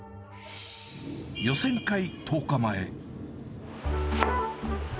予選会１０日前。